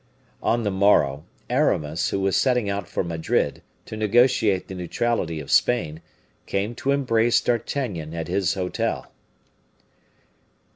On the morrow, Aramis, who was setting out for Madrid, to negotiate the neutrality of Spain, came to embrace D'Artagnan at his hotel.